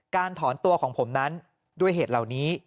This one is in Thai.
ถอนตัวของผมนั้นด้วยเหตุเหล่านี้